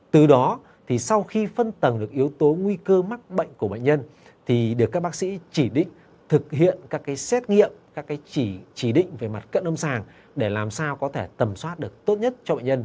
từ đó thì sau khi phân tầng được yếu tố nguy cơ mắc bệnh của bệnh nhân thì được các bác sĩ chỉ định thực hiện các cái xét nghiệm các cái chỉ định về mặt cận lâm sàng để làm sao có thể tầm soát được tốt nhất cho bệnh nhân